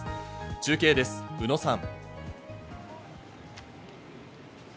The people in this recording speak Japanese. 中継です、宇野さん。